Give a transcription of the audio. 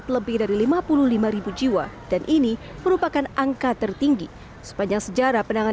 lebih dari lima puluh lima ribu jiwa dan ini merupakan angka tertinggi sepanjang sejarah penanganan